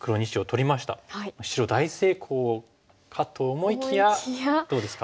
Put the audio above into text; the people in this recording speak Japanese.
白大成功かと思いきやどうですか？